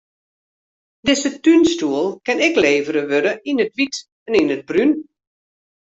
Dizze túnstoel kin ek levere wurde yn it wyt en it brún.